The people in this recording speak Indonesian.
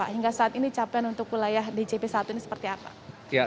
hingga saat ini capaian untuk wilayah djp satu ini seperti apa